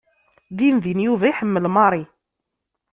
Dindin Yuba iḥemmel Mary.